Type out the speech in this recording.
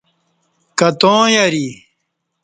کتاں یری